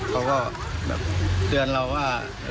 เขาก็แบบเตือนเราว่า